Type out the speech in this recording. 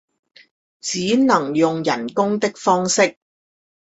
只能用人工的方式